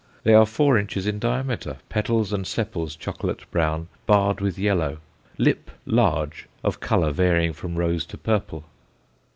They are four inches in diameter, petals and sepals chocolate brown, barred with yellow, lip large, of colour varying from rose to purple.